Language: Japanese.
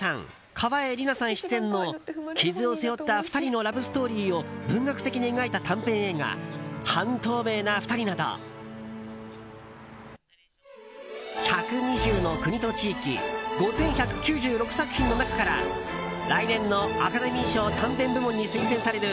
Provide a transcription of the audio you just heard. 川栄李奈さん出演の傷を背負った２人のラブストーリーを文学的に描いた短編映画「半透明なふたり」など１２０の国と地域５１９６作品の中から来年のアカデミー賞短編部門に推薦される